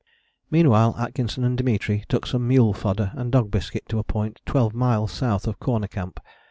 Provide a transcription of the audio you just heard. Meanwhile Atkinson and Dimitri took some mule fodder and dog biscuit to a point twelve miles south of Corner Camp.